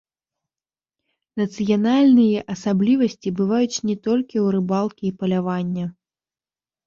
Нацыянальныя асаблівасці бываюць не толькі ў рыбалкі і палявання.